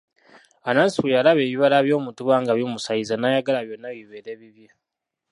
Anansi bwe yalaba ebibala by'omutuba nga bimusaaliza n'ayagala byonna bibeere bibye.